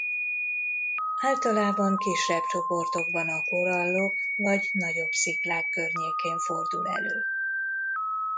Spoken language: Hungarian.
Általában kisebb csoportokban a korallok vagy nagyobb sziklák környékén fordul elő.